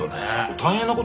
大変な事？